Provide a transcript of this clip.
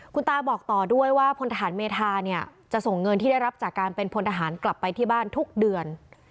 คุณตาบอกต่อด้วยว่าพลทหารเมธาเนี่ยจะส่งเงินที่ได้รับจากการเป็นพลทหารกลับไปที่บ้านทุกเดือน